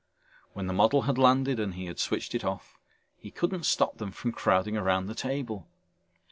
When the model had landed and he had switched it off he couldn't stop them from crowding around the table.